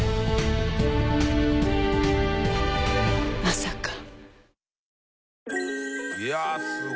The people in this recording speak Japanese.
まさか。